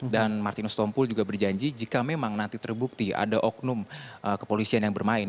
dan martinus hitompul juga berjanji jika memang nanti terbukti ada oknum kepolisian yang bermain